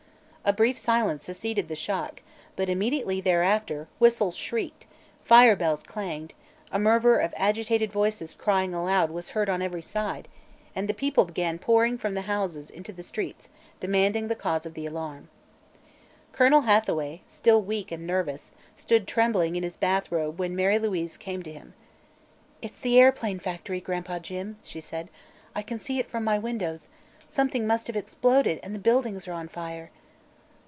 A brief silence succeeded the shock, but immediately thereafter whistles shrieked, fire bells clanged, a murmur of agitated voices crying aloud was heard on every side, and the people began pouring from the houses into the streets demanding the cause of the alarm. Colonel Hathaway, still weak and nervous, stood trembling in his bathrobe when Mary Louise came to him. "It's the airplane factory, Gran'pa Jim," she said. "I can see it from my windows. Something must have exploded and the buildings are on fire."